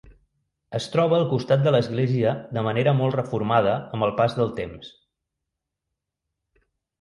Es troba al costat de l'església de manera molt reformada amb el pas del temps.